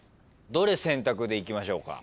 どれ選択でいきましょうか？